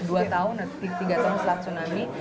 dua tahun atau tiga tahun setelah tsunami